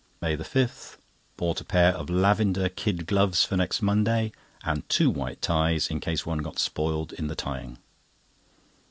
MAY 5.—Bought a pair of lavender kid gloves for next Monday, and two white ties, in case one got spoiled in the tying.